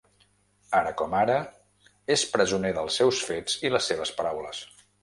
Ara com ara és presoner dels seus fets i les seves paraules.